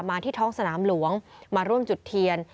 ที่ท้องสนามหลวงมาร่วมจุดเทียน